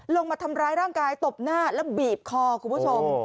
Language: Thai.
ลงมาทำร้ายร่างกายตบหน้าแล้วบีบคอคุณผู้ชม